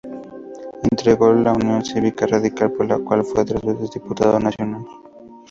Integró la Unión Cívica Radical por la cual fue tres veces diputado nacional.